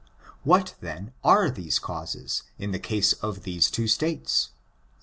What, then, are these causes in the case of these two States ?